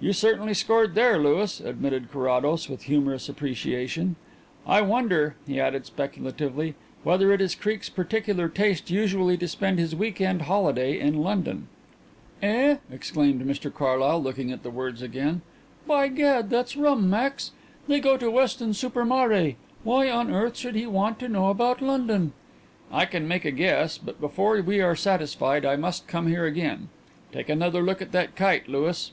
"You certainly scored there, Louis," admitted Carrados, with humorous appreciation. "I wonder," he added speculatively, "whether it is Creake's peculiar taste usually to spend his week end holiday in London." "Eh?" exclaimed Mr Carlyle, looking at the words again, "by gad, that's rum, Max. They go to Weston super Mare. Why on earth should he want to know about London?" "I can make a guess, but before we are satisfied I must come here again. Take another look at that kite, Louis.